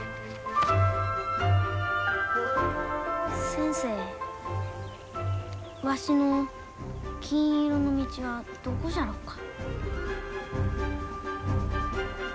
先生わしの金色の道はどこじゃろうか？